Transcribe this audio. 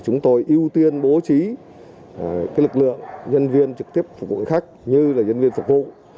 chúng tôi ưu tiên bố trí lực lượng nhân viên trực tiếp phục vụ khách như là nhân viên phục vụ